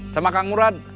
sama kang murad